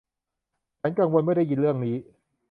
ฉันกังวลเมื่อได้ยินเรื่องนี้